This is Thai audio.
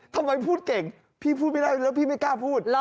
ทำไมพูดเก่งพี่พูดไม่ได้แล้วพี่ไม่กล้าพูด